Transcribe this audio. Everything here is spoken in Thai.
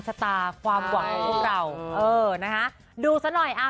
ชะตาความหวังของพวกเราเออนะคะดูซะหน่อยอ่า